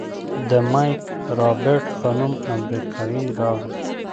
د مايک رابرټ په نوم امريکايي راغى.